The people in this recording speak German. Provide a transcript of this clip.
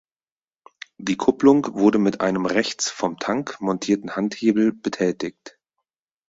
Die Kupplung wurde mit einem rechts vom Tank montierten Handhebel betätigt.